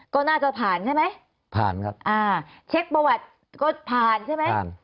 ก็น่าจะผ่านใช่ไหมผ่านครับอ่าเช็คประวัติก็ผ่านใช่ไหม